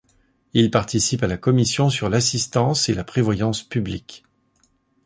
Il participe à la Commission sur l'assistance et la prévoyance publiques.